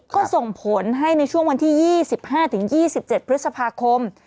ก็ส่งผลให้ในช่วงวันที่๒๕๒๗พฤษภาคม